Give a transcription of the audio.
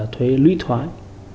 thuế lũy thoái